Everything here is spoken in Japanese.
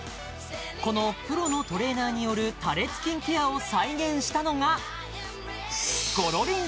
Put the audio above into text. このプロのトレーナーによる多裂筋ケアを再現したのがごろりん